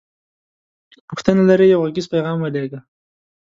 که پوښتنه لری یو غږیز پیغام ولیږه